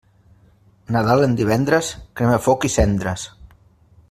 Nadal en divendres, crema foc i cendres.